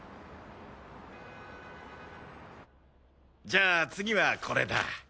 じゃあ次はこれだ。